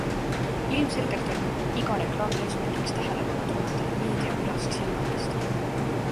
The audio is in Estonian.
Ilmselgelt on iga reklaami eesmärgiks tähelepanu tõmmata ja meediamürast silma paista.